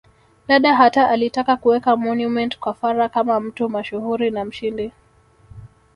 Dada hata alitaka kuweka monument kwa Fuhrer kama mtu mashuhuri na mshindi